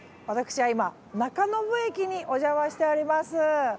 私は今中延駅におじゃましております。